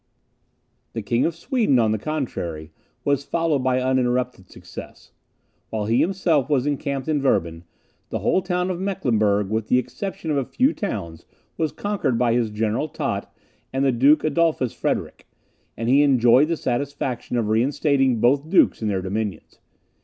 The King of Sweden, on the contrary, was followed by uninterrupted success. While he himself was encamped in Werben, the whole of Mecklenburg, with the exception of a few towns, was conquered by his General Tott and the Duke Adolphus Frederick; and he enjoyed the satisfaction of reinstating both dukes in their dominions.